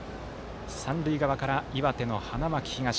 三塁側から岩手の花巻東。